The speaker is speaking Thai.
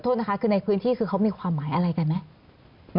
โทษนะคะคือในพื้นที่คือเขามีความหมายอะไรกันไหม